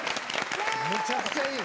めちゃくちゃいい！